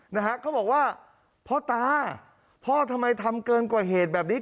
นะฮะเขาบอกว่าพ่อตาพ่อทำไมทำเกินกว่าเหตุแบบนี้